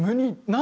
何？